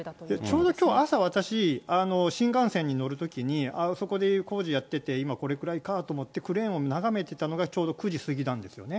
ちょうどきょう朝、私、新幹線に乗るときに、あそこで工事やってて、今これくらいかと思って、クレーンを眺めてたのが、ちょうど９時過ぎなんですよね。